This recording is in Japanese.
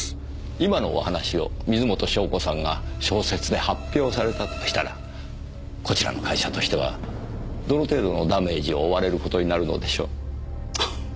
今のお話を水元湘子さんが小説で発表されたとしたらこちらの会社としてはどの程度のダメージを負われる事になるのでしょう？